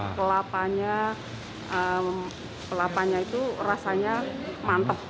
kelapanya itu rasanya mantap